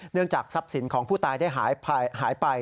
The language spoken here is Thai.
จากทรัพย์สินของผู้ตายได้หายไป